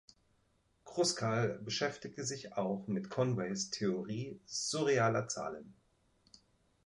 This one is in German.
Kruskal beschäftigte sich auch mit Conways Theorie surrealer Zahlen.